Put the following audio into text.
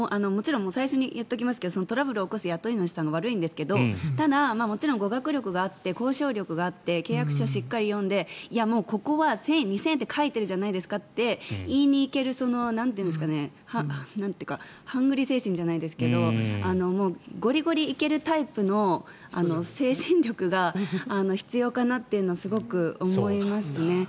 最初に言っておきますけどトラブルを起こす雇い主さんが悪いんですけどただ、もちろん語学力があって交渉力があって契約書をしっかり読んでここは１０００円って書いてあるじゃないですかって言いに行けるハングリー精神じゃないですがゴリゴリ行けるタイプの精神力が必要かなっていうのをすごく思いますね。